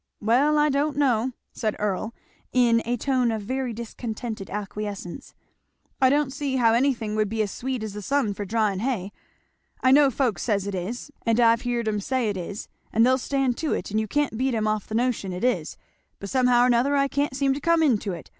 "Well I don't know," said Earl in a tone of very discontented acquiescence, "I don't see how anythin' should be as sweet as the sun for dryin' hay I know folks says it is, and I've heerd 'em say it is! and they'll stand to it and you can't beat 'em off the notion it is; but somehow or 'nother I can't seem to come into it.